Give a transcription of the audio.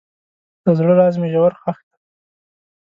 د زړه راز مې ژور ښخ دی.